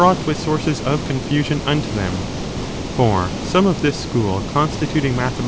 ught with sources of coufusion unto them. hood of their For some of this school constituting mathema